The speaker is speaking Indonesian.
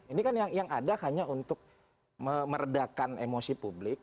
ini kan yang ada hanya untuk meredakan emosi publik